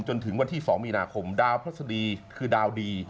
จนถึงวันที่๒มีนาคมดาวพระศดีคือดาวดี